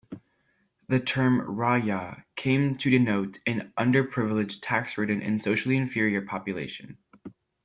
The term rayah came to denote an underprivileged, tax-ridden and socially inferior population.